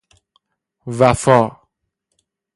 وفاء